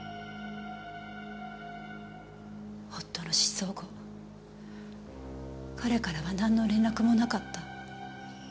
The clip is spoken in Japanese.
夫の失踪後彼からはなんの連絡もなかった。